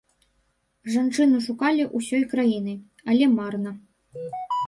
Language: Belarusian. Жанчыну шукалі ўсёй краінай, але марна.